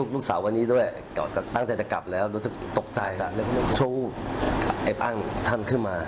แล้วโดยจะตกใจโชว์เอ็บอ้างท่านขึ้นมา